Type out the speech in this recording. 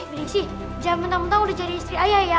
bining sih jangan mentang mentang udah jadi istri ayah ya